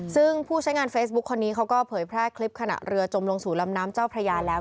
ซึ่งผู้ใช้งานเฟซบุ๊คคนนี้เขาก็เผยแพร่คลิปขณะเรือจมลงสู่ลำน้ำเจ้าพระยาแล้ว